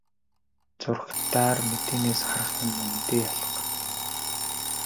Зурагтаар мэдээнээс харах юм үнэндээ алга.